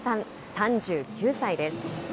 ３９歳です。